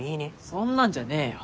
そんなんじゃねえよ。